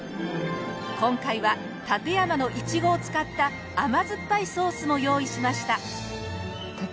今回は館山のイチゴを使った甘酸っぱいソースも用意しました。